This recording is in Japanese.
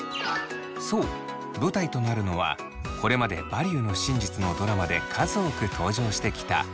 そう舞台となるのはこれまで「バリューの真実」のドラマで数多く登場してきた鉢涼学園。